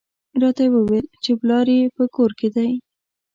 راته یې وویل چې پلار یې په کور کې دی.